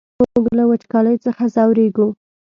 موږ له وچکالۍ څخه ځوريږو!